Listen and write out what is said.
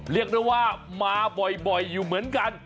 เรียกได้ว่ามาบ่อยอยู่เหมือนกัน